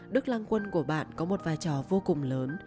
đức lang quân của bạn có một vai trò vô cùng lớn